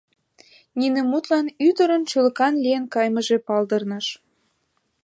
Нине мутлан ӱдырын шӱлыкан лийын кайымыже палдырныш.